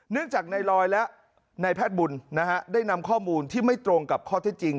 เนื่องจากนายลอยและนายแพทย์บุญได้นำข้อมูลที่ไม่ตรงกับข้อที่จริง